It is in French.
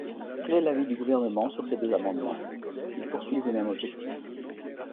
Quel est l’avis du Gouvernement sur ces deux amendements ? Ils poursuivent le même objectif.